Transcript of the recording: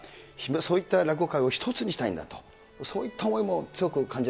そういった落語界を１つにしたいんだと、そういった思いも強く感